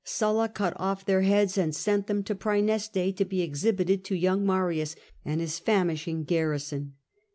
Sulla cut off their heads and sent them to Praeneste, to be exhibited to young Marius and his famishing garrison.